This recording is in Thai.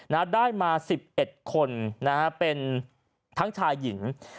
นัดได้มา๑๑คนนะครับเป็นทั้งชายหญิง